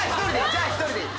じゃあ１人でいい。